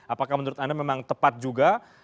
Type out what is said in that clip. apakah menurut anda memang tepat juga